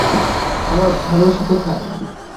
আমার ভালোবাসা কোথায়?